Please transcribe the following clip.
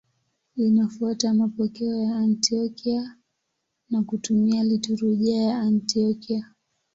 Linafuata mapokeo ya Antiokia na kutumia liturujia ya Antiokia.